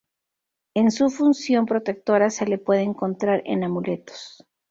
En su función protectora se le puede encontrar en amuletos.